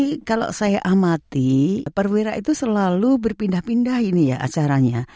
jadi ini kalau saya amati perwira itu selalu berpindah pindah ini ya acaranya